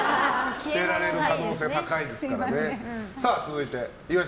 捨てられる可能性高いですからね。